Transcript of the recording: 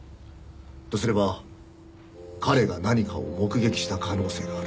とすれば彼が何かを目撃した可能性がある。